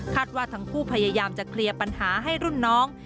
ว่าทั้งคู่พยายามจะเคลียร์ปัญหาให้รุ่นน้อง